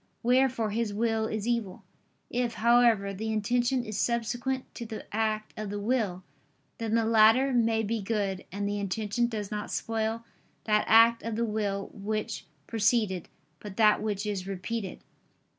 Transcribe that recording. Wherefore his will is evil. If, however, the intention is subsequent to the act of the will, then the latter may be good: and the intention does not spoil that act of the will which preceded, but that which is repeated.